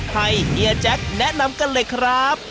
เฮียแจ๊คแนะนำกันเลยครับ